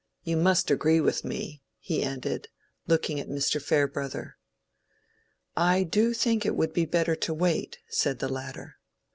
You must agree with me?" he ended, looking at Mr. Farebrother. "I do think it would be better to wait," said the latter.